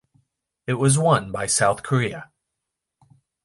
It was won by South Korea.